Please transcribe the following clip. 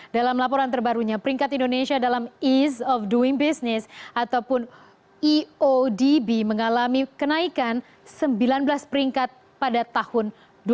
dalam laporan terbarunya peringkat indonesia dalam east of doing business ataupun eodb mengalami kenaikan sembilan belas peringkat pada tahun dua ribu tujuh belas